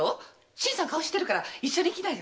新さん顔知ってるから一緒に行きなよ。